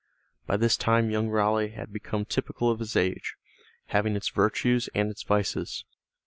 By this time young Raleigh had become typical of his age, having its virtues and its vices.